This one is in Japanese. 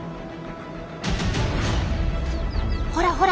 ほらほら！